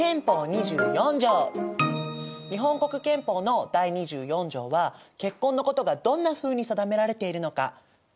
日本国憲法の第２４条は結婚のことがどんなふうに定められているのか気になるよね。